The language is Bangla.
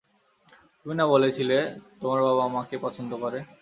তুমি না বলেছিলে তোমার বাবা আমাকে পছন্দ করে?